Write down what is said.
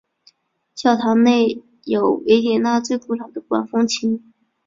教堂内有维也纳最古老的管风琴。